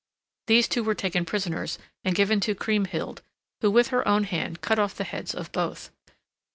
These two were taken prisoners and given to Kriemhild, who with her own hand cut off the heads of both.